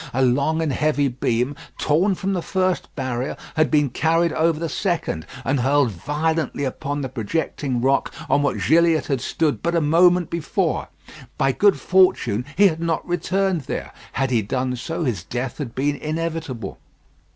A long and heavy beam, torn from the first barrier, had been carried over the second, and hurled violently upon the projecting rock on which Gilliatt had stood but a moment before. By good fortune he had not returned there. Had he done so, his death had been inevitable.